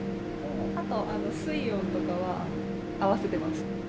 あと水温とかは合わせてます。